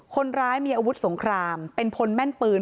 คนร้ายมีอาวุธสงครามเป็นพลแม่นปืน